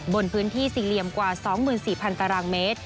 บนพื้นที่สี่เหลี่ยมกว่า๒๔๐๐ตารางเมตร